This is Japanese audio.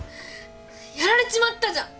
やられちまったじゃん！